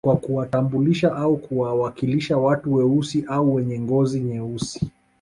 Kwa kuwatambulisha au kuwakilisha watu weusi au wenye ngoz nyeusi